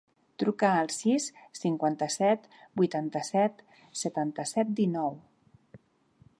Truca al sis, cinquanta-set, vuitanta-set, setanta-set, dinou.